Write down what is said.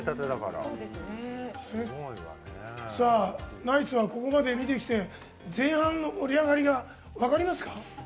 ナイツはここまで見てきて前半の盛り上がりは分かりますか？